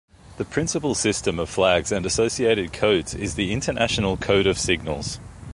The principal system of flags and associated codes is the International Code of Signals.